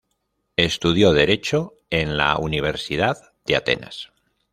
Estudió derecho en la Universidad de Atenas.